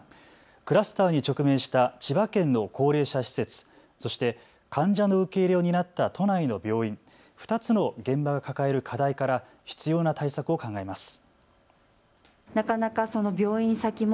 クラスターに直面した千葉県の高齢者施設、そして患者の受け入れを担った都内の病院２つの現場が抱える課題から必要な対策を考えます。